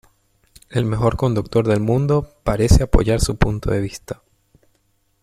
El mejor conductor del mundo "parece apoyar su punto de vista.